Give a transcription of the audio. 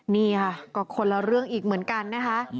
นี่ค่ะก็คนละเรื่องอีกเหมือนกันนะคะ